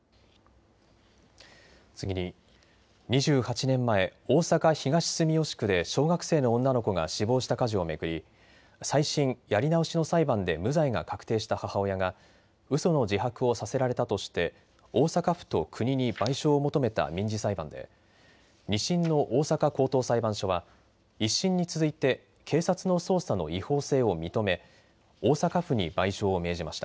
次に、２８年前、大阪東住吉区で小学生の女の子が死亡した火事を巡り再審・やり直しの裁判で無罪が確定した母親がうその自白をさせられたとして大阪府と国に賠償を求めた民事裁判で２審の大阪高等裁判所は１審に続いて警察の捜査の違法性を認め大阪府に賠償を命じました。